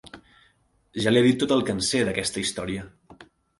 Ja li he dit tot el que en sé, d'aquesta història.